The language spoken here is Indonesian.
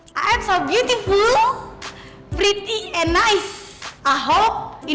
saya sangat cantik cantik dan baik